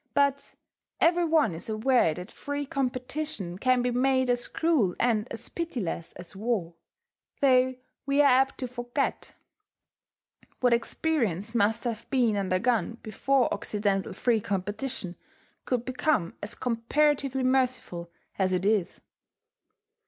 But every one is aware that free competition can be made as cruel and as pitiless as war, though we are apt to forget what experience must have been undergone before Occidental free competition could become as comparatively merciful, as it is.